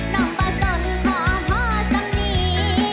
น้องก็สนขอพอสมนีย์